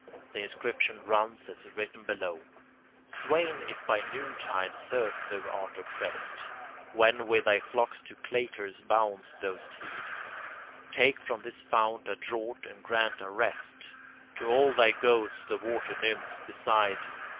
The inscription runs as written below: Swain, if by noontide thirst thou art opprest When with thy flocks to Cleitor's bounds thou'st hied, Take from this fount a draught, and grant a rest To all thy goats the water nymphs beside.